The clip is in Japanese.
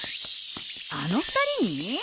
あの２人に？